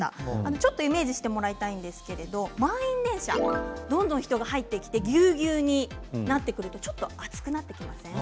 ちょっとイメージしてもらいたいんですけど満員電車、どんどん人が入ってきてぎゅうぎゅうになってくるとちょっと暑くなってきませんか。